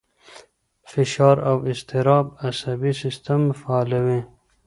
فشار او اضطراب عصبي سیستم فعالوي.